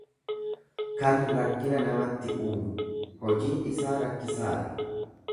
kan rakkina namatti uumu; Hojiin isaa rakkisaa dha.